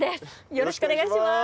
よろしくお願いします。